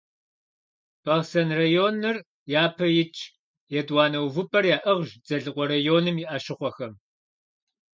Бахъсэн районыр япэ итщ, етӀуанэ увыпӀэр яӀыгъщ Дзэлыкъуэ районым и Ӏэщыхъуэхэм.